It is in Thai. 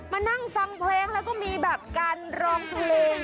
มานั่งฟังเพลงแล้วก็มีแบบการร้องเพลง